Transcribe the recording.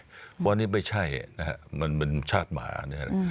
เพราะว่านี่ไม่ใช่นะครับมันชาติหมานะครับ